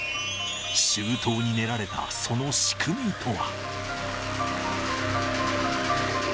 周到に練られたその仕組みとは。